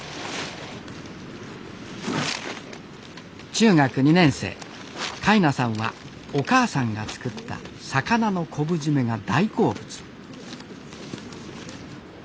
中学２年生海奈さんはお母さんが作った魚の昆布締めが大好物。